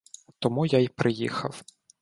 Тому я й приїхав.